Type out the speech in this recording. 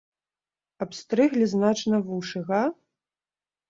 Абстрыглі значна вушы, га!